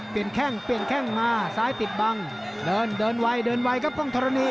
แข้งเปลี่ยนแข้งมาซ้ายปิดบังเดินเดินไวเดินไวครับกล้องธรณี